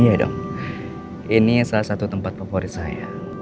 iya dong ini salah satu tempat favorit saya